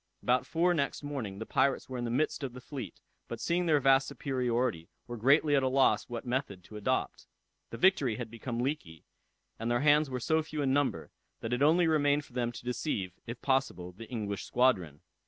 About four next morning, the pirates were in the midst of the fleet, but seeing their vast superiority, were greatly at a loss what method to adopt. The Victory had become leaky, and their hands were so few in number, that it only remained for them to deceive, if possible, the English squadron.